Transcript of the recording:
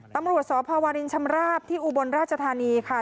ตำรวจสพวรินชำราบที่อุบลราชธานีค่ะ